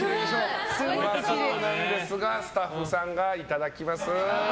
うまそうなんですがスタッフさんがいただきます。